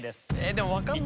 でも分かんないな。